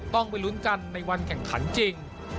ต้องไปลุ้นกันในวันแข่งขันจริง